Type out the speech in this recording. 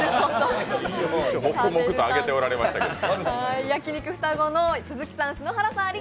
黙々と揚げておられましたけど。